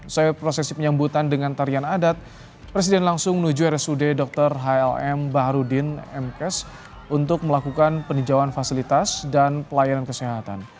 setelah prosesi penyambutan dengan tarian adat presiden langsung menuju rsud dr hlm baharudin mkes untuk melakukan peninjauan fasilitas dan pelayanan kesehatan